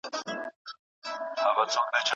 کارغه خو هم نه یې چې خښ یې کړې په تورو خاورو